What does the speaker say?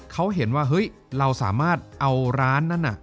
เขาเห็นว่าเฮ้ยเราสามารถเอาร้านนั้นน่ะ